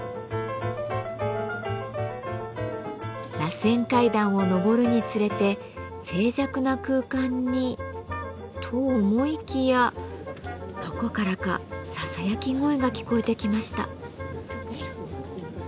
らせん階段を上るにつれて静寂な空間にと思いきやどこからかささやき声が聞こえてきました。